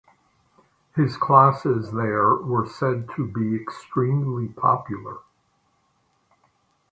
His classes there were said to be extremely popular.